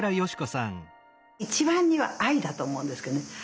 一番には藍だと思うんですけどね。